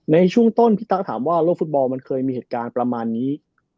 ในช่วงต้นพี่ตั๊กถามว่าโลกฟุตบอลมันเคยมีเหตุการณ์ประมาณนี้